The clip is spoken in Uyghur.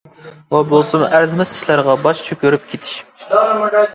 ئۇ بولسىمۇ ئەرزىمەس ئىشلارغا باش چۆكۈرۈپ كېتىش.